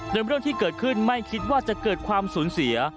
โดยเรื่องที่เกิดขึ้นไม่คิดว่าจะเกิดความสูญเสีย